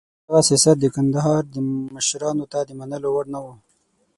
دغه سیاست د کندهار مشرانو ته د منلو وړ نه و.